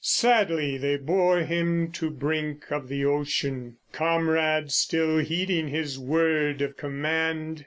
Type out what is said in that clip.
Sadly they bore him to brink of the ocean, Comrades, still heeding his word of command.